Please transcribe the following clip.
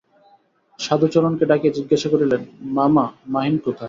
সাধুচরণকে ডাকিয়া জিজ্ঞাসা করিলেন, মামা, মহিন কোথায়।